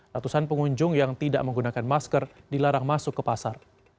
ratusan pengunjung yang tidak menggunakan masker dilarang masuk ke pasar